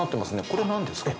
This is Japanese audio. これ何ですか？